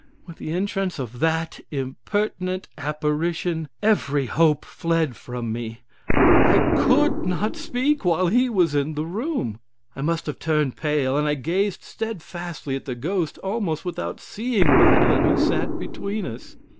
With the entrance of that impertinent apparition, every hope fled from me. I could not speak while he was in the room. I must have turned pale; and I gazed steadfastly at the ghost, almost without seeing Madeline, who sat between us.